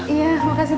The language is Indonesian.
iya makasih tante